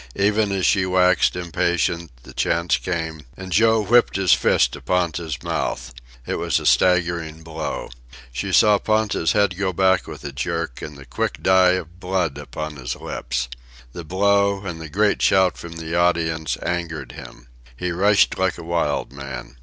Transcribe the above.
Even as she waxed impatient, the chance came, and Joe whipped his fist to Ponta's mouth. It was a staggering blow. She saw Ponta's head go back with a jerk and the quick dye of blood upon his lips. The blow, and the great shout from the audience, angered him. He rushed like a wild man.